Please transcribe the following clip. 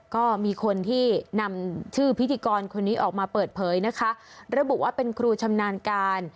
ก็มีคนที่นำชื่อพิธีกรคนนี้ออกมาเปิดเผยนะคะระบุว่าเป็นครูชำนาญการ